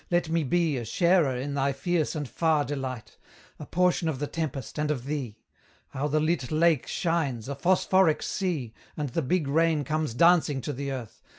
let me be A sharer in thy fierce and far delight A portion of the tempest and of thee! How the lit lake shines, a phosphoric sea, And the big rain comes dancing to the earth!